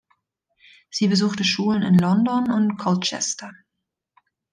Sie besuchte Schulen in London und Colchester.